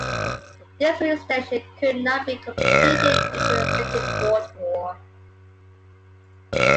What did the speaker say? This route extension could not be completed due to the Second World War.